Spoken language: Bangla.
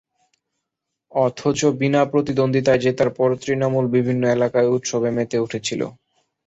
অথচ বিনা প্রতিদ্বন্দ্বিতায় জেতার পর তৃণমূল বিভিন্ন এলাকায় উৎসবে মেতে উঠেছিল।